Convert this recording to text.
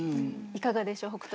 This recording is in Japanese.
いかがでしょう？